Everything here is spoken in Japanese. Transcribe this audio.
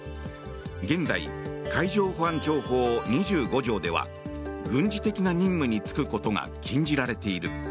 現在、海上保安庁法２５条では軍事的な任務に就くことが禁じられている。